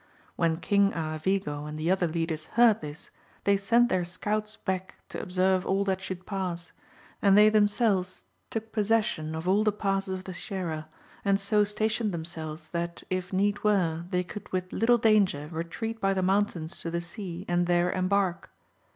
When King Aravigo and the other leaders heard this, they sent their scouts back to observe all that should pass, and they themselves took possession of all the passes of the Sierra, and so star tioned themselves, that if need were, they could with little danger retreat by the mountains to the sea, and there embark.